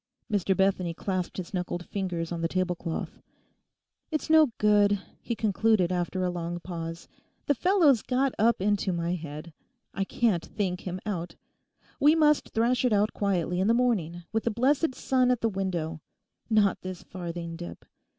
Mr Bethany clasped his knuckled fingers on the tablecloth. 'It's no good,' he concluded after a long pause; 'the fellow's got up into my head. I can't think him out. We must thrash it out quietly in the morning with the blessed sun at the window; not this farthing dip.